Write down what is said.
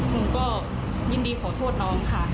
หนูก็ยินดีขอโทษน้องค่ะ